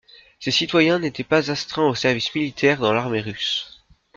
Ses citoyens n'étaient pas astreints au service militaire dans l'armée russe.